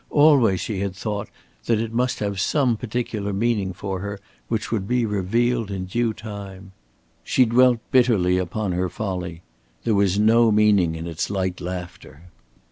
Always she had thought that it must have some particular meaning for her which would be revealed in due time. She dwelt bitterly upon her folly. There was no meaning in its light laughter.